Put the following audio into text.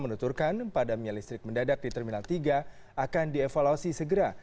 menuturkan padamnya listrik mendadak di terminal tiga akan dievaluasi segera